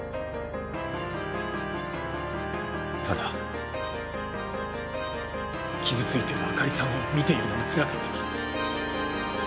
ただ傷ついている朱莉さんを見ているのもつらかった。